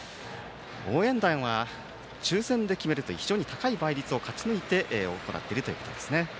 応援団は抽選で非常に高い倍率を勝ち抜いて行っているということですね。